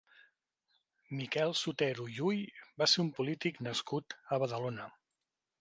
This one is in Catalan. Miquel Sotero Llull va ser un polític nascut a Badalona.